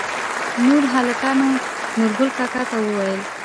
نوور هلکانو نورګل کاکا ته وويل